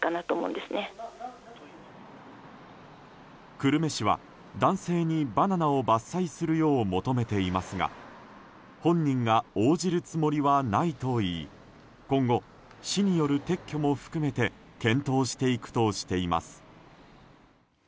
久留米市は、男性にバナナを伐採するよう求めていますが本人が応じるつもりはないといい今後、市による撤去も含めて検討していくとしています。